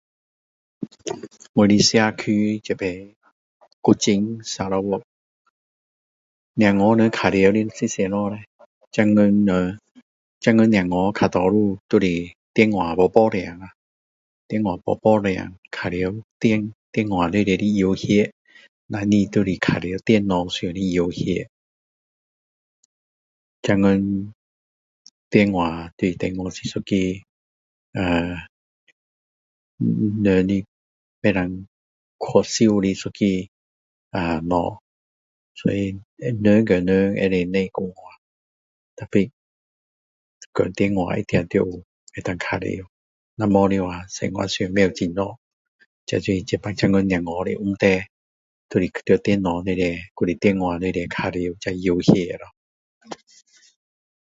我的社区这边古晋sarawak小孩们玩的是什么叻现在人小孩比较多电话抱抱住电话抱抱住玩电话里面游戏不然就是玩电话上的游戏现在电话当做是一个人的不能缺少的一个呃东西所以人跟人可以不用说话的tapi电话可以玩耍不然生活上不能做什么这就是现在小孩的就是念在电脑里面还是电话里面玩游戏lo